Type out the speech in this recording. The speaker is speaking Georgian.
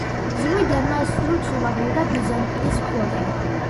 ზღვიდან მას ზურგს უმაგრებდა ბიზანტიის ფლოტი.